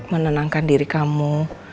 menenangkan diri kamu